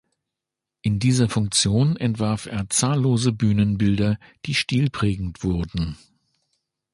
In dieser Funktion entwarf er zahllose Bühnenbilder, die stilprägend wurden.